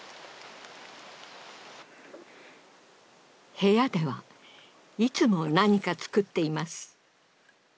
部屋ではいつも何か作っています。